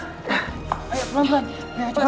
sebelah kiri pak